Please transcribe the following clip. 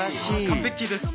完璧です。